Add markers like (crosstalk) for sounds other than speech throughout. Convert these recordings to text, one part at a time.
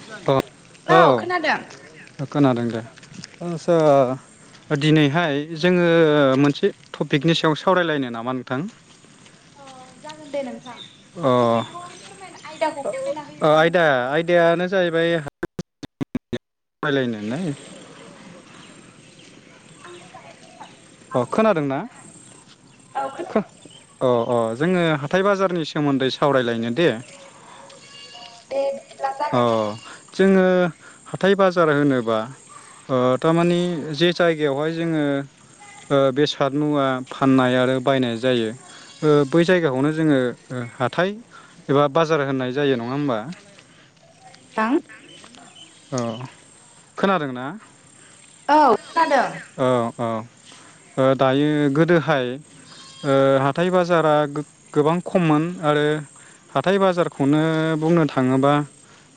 (unintelligible) औ खोनादों दे। आचसा दिनैहाय जोङो मोनसे टपिकनि सायाव सावरायलायनो नामा नोंथां अ जागोन दे नोंथां। अ टपिकखौ फोरमायना आयदाखौ फोरमायना होयोब्ला आयदा मोजां जागोन आयदायानो जाहैबाय (unintelligible) आं मोजाङै खोनायासै अ नोंथाङा खोनादोंना बुंफिननो हागोन ना? औ खोनादों अ अ जोङो हाथाय बाजारनि सोमोन्दै सावरायलायनो दे अ दे बि अ जोङो हाथाय बाजार होनोबा थारमानि जे जायगायावहाय जोङो बेसाद मुवा फाननाय आरो बायनाय जायो ओ बै जायगाखौनो जोङो हाथाय एबा बाजार होननाय जायो नङा होमबा थां अ खोनादों ना औ खोनादों औ दायो गोदोहाय ओ हाथाय बाजारा गोबां खममोन आरो हाथाय बाजारखौनो बुंनो थाङोबा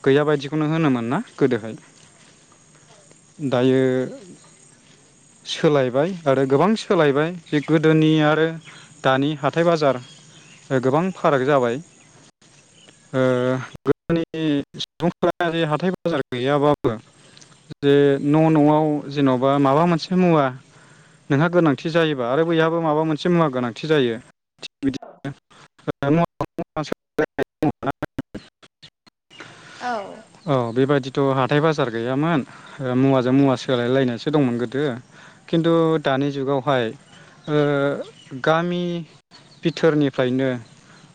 गैया बायदिखौनो होनोमोन ना गोदोहाय दायो सोलायबाय आरो गोबां सोलायबाय जे गोदोनि आरो दानि हाथाइ बाजार ओ गोबां फाराग जाबाय ओ गोदोनि सुबुंफोरा हाथाइ बाजार गैयाबाबो जे न' न'आव जेनबा माबा मोनसे मुवा नोंहा गोनांथि जायोबा आरो बैहाबो माबा मोनसे मुवा गोनांथि जायो थिख बिदिनो (unintelligible) औ। औ बेबायदिथ हा थाय बाजार गैयामोन मुवाजों मुवा सोलायलायनायसो दंमोन गोदो खिन्थु दानि जुगावहाय ओ गामि बिथोरनिफ्रायनो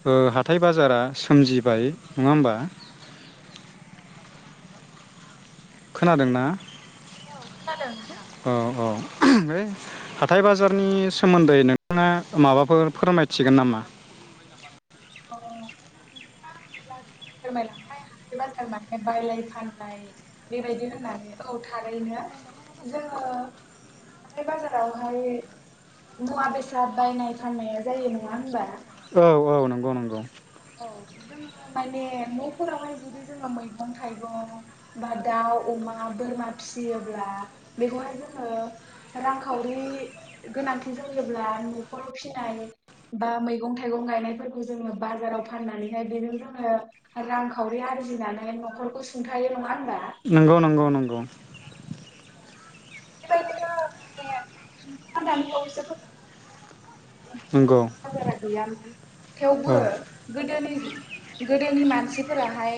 ओ हाथाय बाजारा सोमजिबाय नङा होमबा खोनादोंना औ खोनादों नोंथां है हाथाय बाजारनि सोमोन्दै नोंथाङा माबाफोर फोरमायथिगोन नामा अ नोंथाङा आङो जाखिनि फोरमायलांबाय हाथाय बाजार माने बायनाय फाननाय बेबायदि होननानै औ थारैनो जोङो हाथाय बाजारावहाय मुवा बेसाद बायनाय फाननाया जायो नङा होनबा औ औ नंगौ नंगौ औ जोङो माने न'फोरावहाय जुदि जोङो मैगं थाइगं बा दाउ अमा बोरमा फिसियोब्ला बेखौहाय जोङो रांखावरि गोनांथि जायोब्ला नखराव फिनाय बा मैगं थाइगं गायनायफोरखौ जोङो बाजाराव फाननानैहाय बेजों जोङो रांखावरि आरजिनानै न'खरखौ सुंथायो नङा होनबा नंगौ नंगौ नंगौ (unintelligible) आं‌ दानिबावैसो खोन नंगौ बाजारा गैयामोन थेवबो औ गोदोनि गोदोनि मानसिफोराहाय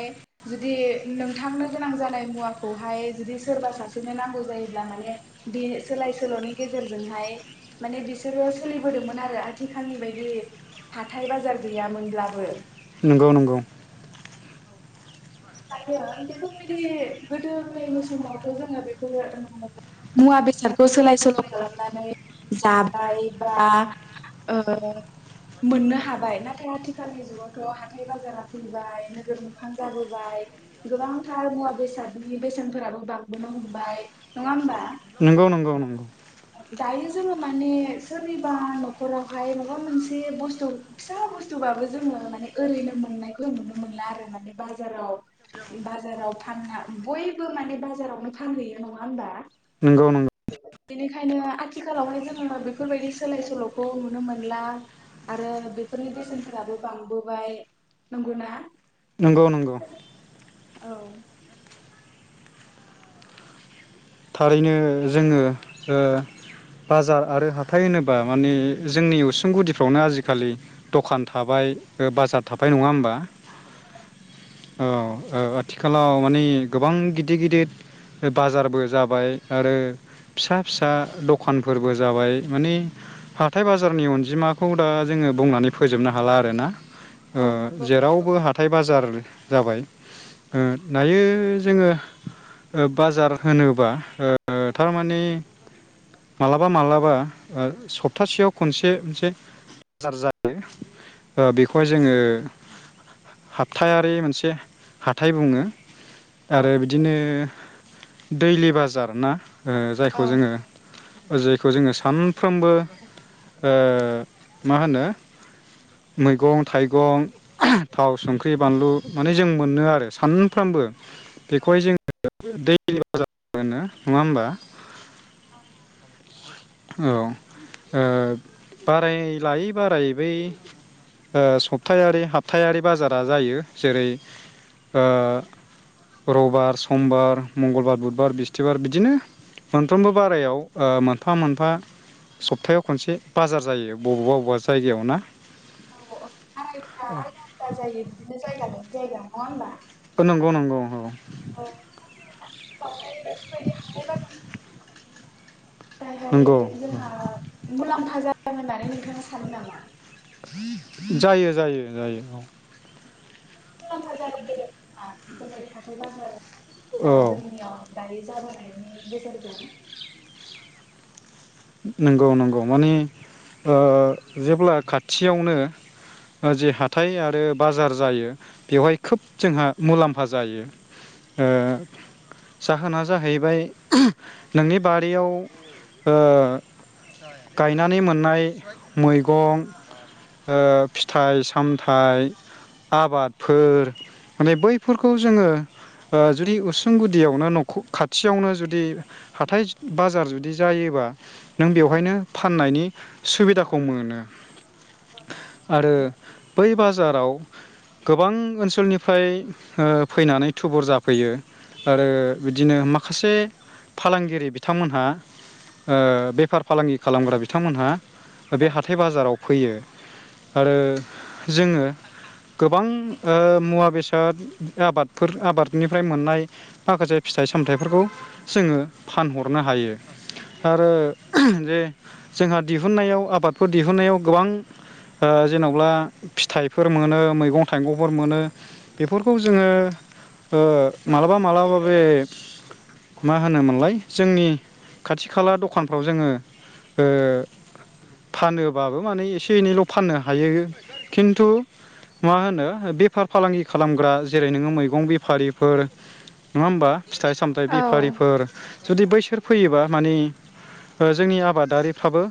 जुदि नोंथांनो गोनां जानाय मुवाखौहाय जुदि सोरबा सासेनो नांगौ जायोब्ला माने बे सोलाय सोलनि गेजेरजों जोंहाय माने बिसोरो सोलिबोदोंमोन आरो आथिखालनि बायदि हाथाय बाजार गैयामोनब्लाबो नंगौ-नंगौ औ जायो बेफोरबायदि गोदो गोदायनि समावथ जोङो बेफोर मुवा बेसादखौ सोलाय सोल खालामनानै जाबाय बा ओ मोननो हाबाय नाथाय आथिखालनि जुगावथ हाथाय बाजारा फैबाय नोगोर मोखां जाबो बाय गोबांथार मुवा बेसादनि बेसेनफोराबो बांबोनो हमबाय नङा होमबा नंगौ-नंगौ-नंगौ दायो जोङो माने सोरनिबा नखरावहाय माबा मोनसे बस्थु फिसा बस्थु बाबो जोङो माने ओरैनो मोननायखौ नुनो मोनला आरो माने बा जाराव-बाजाराव फानना बयबो माने बाजारावनो फानहैयो नङा होमबा नोंगौ-नोंगौ बेनिखायनो आथिखालावहाय जोङो बेफोरबायदि सोलाय सोलखौ नुनो मोनला आरो बेफोरनि बेसेनफोराबो बांबोबाय नंगौना नंगौ-नंगौ औ थारैनो जोङो ओ बाजार आरो हाथाय होनोबा माने जोंनि उसुं गुदिफ्रावनो आजिखालि दखान थाबाय बाजार थाबाय नङा होमबा औ ओ आथिखालाव मानि गोबां गिदिर-गिदिर बाजारबो जाबाय आरो फिसा-फिसा दखानफोरबो जाबाय माने हाथाय बाजारनि अनजिमाखौ दा जोङो बुंनानै फोजोबनो हाला आरो ना ओ नंगौ नंगौ जेरावबो हाथाय बाजार जाबाय अम दायो जोङो ओ बाजार होनो बा ओ थारमाने मालाबा-मालाबा सप्तासेयाव खनसे-खनसे बाजार जायो ओ बेखौहाय जोङो हाबथायारि मोनसे हाथाय बुङो औ आरो बिदिनो दैलि बाजार ना ओ जायखौ नंगौ जोङो बेखौ जोङो सानफ्रामबो ओ मा होनो मैगं थाइगं थाव संख्रि बानलु माने जों मोनो आरो सानफ्रामबो औ बेखौहाय जोङो दैलि बाजार बाजार होनो नङा होमबा औ ओ बाराय लायै बारायै बै ओ सप्तायारि हाबथायारि बाजारा जायो जेरै ओ रबिबार समबार मंगलबार बुधबार बिस्थिबार बिदिनो मोनफ्रोमबो बारायाव मोनफा मोनफा सप्तायाव खनसे बाजार जायो बबेबा बबेबा जायगायाव ना औ औ बारायफ्रा आलदा-आलदा जायो बिदिनो जायगा लायनाय जायगा नङा होमबा नंगौ-नंगौ बेवहाय (inaudible) नंगौ नाथाय जोंहा मुलाम्फा जादों होननानै नोंथाङा सानो नामा जायो-जायो औ मुलाम्फा जागोन होनना हाथाय बाजाराव ना औ जोंनियाव दायो जाब होनायनि गेजेरजों नंगौ-नंगौ माने ओ जेब्ला खाथियावनो ओ जे हाथाय आरो बाजार जायो बेवहाय खोब जोंहा मुलाम्फा जायो ओ जाहोना जाहैबाय नोंनि बारियाव ओ गायनानै मोननाय मैगं ओ फिथाइ सामथाइ आबादफोर माने बैफोरखौ जोङो ओ जुदि उसुं गुदियावनो नखर खाथियावनो जुदि हाथाय बाजार जुदि जायोबा नों बेवहायनो फाननायनि सुबिदाखौ मोनो आरो बै बास कक्राझाराव गोबां ओनसोलनिफ्राय फैनानै थुबुर जाफैयो आरो बिदिनो माखासे फालांगिरि बिथांमोनहा ओ बेफार-फालांगि खालामग्रा बिथांमोनहा बे हाथाय बाजाराव फैयो आरो जोङो गोबां मुवा बेसाद आबादफोर आबादनिफ्राय मोननाय माखासे फिथाइ सामथाइफोरखौ जोङो फानहरनो हायो आरो जे जोंहा दिहुननायाव आबादफोर दिहुननायाव गोबां जेनब्ला फिथाइफोर मोनो मैगं थाइगंफोर मोनो बेफोरखौ जोङो ओ मालाबा-मालाबा बे मा होनोमोनलाय जोंनि खाथि खाथि-खाला दखानफोराव जोङो ओ फानोबाबो माने एसे एनैल' फाननो हायो फिथाइ सामथाइ औ बेफारिफोर जुदि बै बिसोर फैयोबा माने जोंनि आबादारिफ्राबो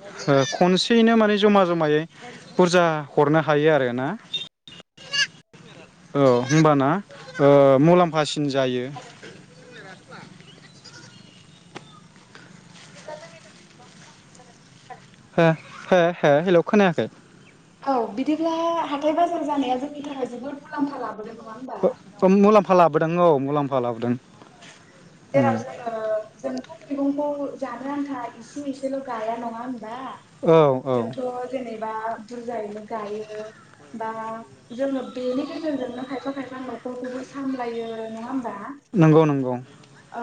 खनसेयैनो माने जमा जमायै बुरजा हरनो हायो आरोना औ होमबाना मुलाम्फासिन जायो बिदिब्ला जोंनि थाखाय गोबां मुलाम्फा जादों हे हे हेल खोनायाखै औ बिदिब्ला हाथाय बाजार जानाया जोंनि थाखाय जोबोद मुलाम्फा लाबोदों होमबा फ फ मुलाम मफा लाबोदों औ मुलाम्फा लाबोदों औ जेराव जोङो जोंथ' मैगंखौ जानो आ आन्था इसे एसेल' गाया नङा बा औ औ जोंथ' जेनेबा बुरजायैनो गायो बा जोङो बेनि गेजेरजोंनो खायफा खायफा न'खरखौबो सामलायो नङा होम्बा नंगौ-नंगौ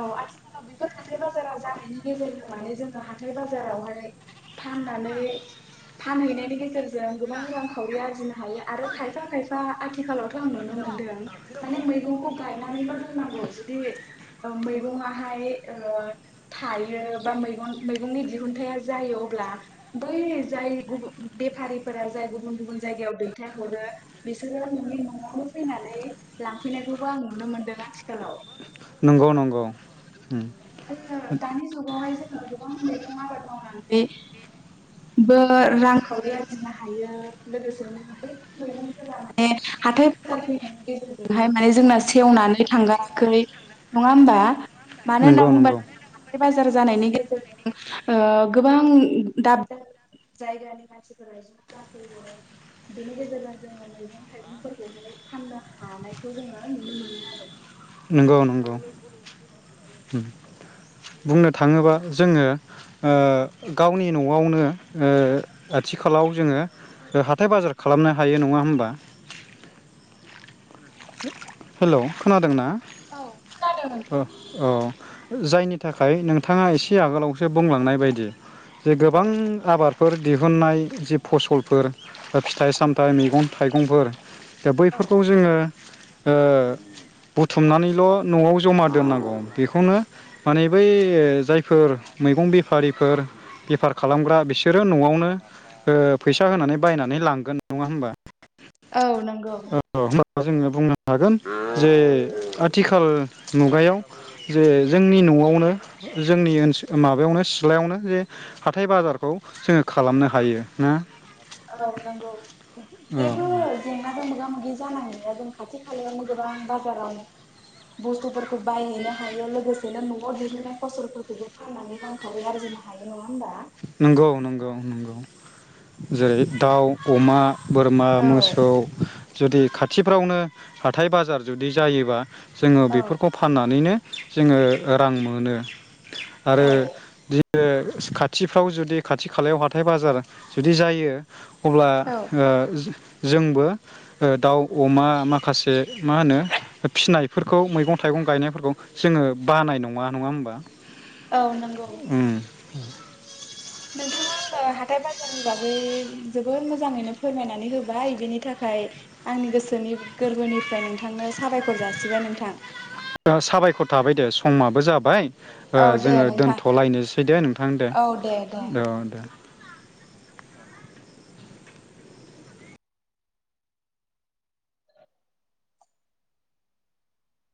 औ आथिखालाव बेफोर हाथथाय बाजारा जानायनि गेजेरजों माने जोङो हाथाय बाजारावहाय फाननानै फानहैनायनि गेजेरजों गोबां रांखावरि आरजिनो हायो आरो खायफा-खायफा आथिखालाव नुनो मोनदों माने मैगंखौ गायना नायनानैल' दोननांगौ जुदि मैगंआहाय थायो बा मैगं मैगंनि दिहुनथायाइ जायो अब्ला बै जाय गुब बेफारिफोरा जाय गुबुन-गुबुन जायगायाव दैथायहरो बिसोरो नोंनि न'आवनो फैनानै लांफैनायखौबो आं नुनो मोनदों आथिखालाव नंगौ-नंगौ जोङो दानि जुगावहाय जे गोबां मैगं आबाद मावनानैबो रांखौरि आरजिनो हायो लोगोसेनो मैगंफोरा माने हाथाय-बाजार फैनायनि गेजेरजोंहाय माने जोंना सेवनानै थांगाखै नङा होमबा मानो होनना नंगौ बुंबा नंगौ हाथाय बाजा जाय जानायनि गेजेरजों ओ गोबां दाब-दाब जायगानि मानसिफोरा ज' जाफैगोन बेनि गेजेरजों जोङो मैगं थाइगंफोरखौहाय फाननो हानायखौ जोङो नुनो मोनो आरो नंगौ-नंगौ बुंनो थाङोबा जोङो ओ गावनि न'आवनो ओ आथिखालाव जोङो हाथाय-बाजार खालामनो हायो नङा होम्बा हेल' खोनादोंना खोनादों नोंथां औ-औ जायनि थाखाय नोंथाङा एसे आगोलावसो बुंलांनाय बायदि जे गोबां आबाद फोर दिहुनन्नाय जि फसलफोर फिथाइ सामथाइ मैगं थाइगंफोर दा बैफोरखौ जोङो ओ बुथुमनानैल' न'आव जमा दोन्नांगौ बेखौनो माने बै जायफोर मैगं बेफारिफोर बेफार खालामग्रा बिसोरो न'आवनो फैसा होनानै बायनानै लांगोन नङा होमबा औ नों औ जोङो बुंनो हागोन जे आथिखाल मुगायाव जे जोंनि न'आवनो जोंनि ओनसोल माबायावनो सिथ्लायावनो जे हाथाय बाजारखौ जोङो खालामनो हायो ना औ नंगौ औ जेबो जेंनाजों मोगा मोगि जानांया जों खाथि खालायावनो गोबां बाजाराव बुस्थुफोरखौ बायहैनो हायो लोगोसेनो न'आव दिहुननाय फसलफोरखौबो फाननानै रांखावरि आरजिनो हायो नङा होमबा नंगौ नंगौ नंगौ जेरै दाउ अमा बोरमा मोसौ जुदि खाथिफ्रावनो हाथाय बाजार जुदि जायोबा जोङो बेफोरखौ फाननानैनो जोङो रां मोनो आरो ओ इसे खा थिफ्राव जुदि खाथि खालायाव हाथाय बाजार जुदि जायो अब्ला ओ जोंबो ओ दाउ अमा माखासे मा होनो फिसिनायफोरखौ मैगं थाइगं गायनायफोरखौ जोङो बानाय नङा नङा होमबा? औ नंगौ (inaudible) नोंथाङा आंनो हाथाइ बाजारनि बागै जोबोर मोजाङैनो फोरमायनानै होबाय बिनि थाखाय आंनि गोसोनि गोरबोनिफ्राय नोंथांनो साबायखर जासिबाय नोंथां। सा-साबायखर थाबाय दे समाबो जाबाय ओ औ दे जोङो नोंथां दोनथ'लायनोसै दे नोंथां दे औ दे। औ दे।